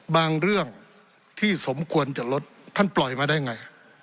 บางเรื่องที่สมควรจะลดท่านปล่อยมาได้ไง